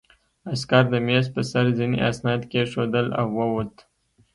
عسکر د مېز په سر ځینې اسناد کېښودل او ووت